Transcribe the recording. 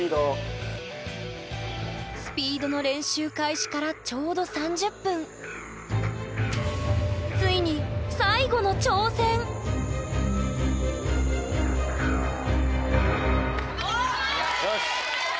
スピードの練習開始からちょうど３０分ついによし。